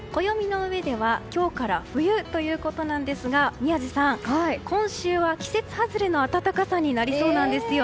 暦の上では今日から冬ということですが宮司さん、今週は季節外れの暖かさになりそうなんですよ。